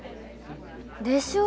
でしょ？